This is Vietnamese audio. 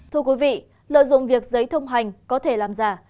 thưa quý vị lợi dụng việc giấy thông hành có thể làm giả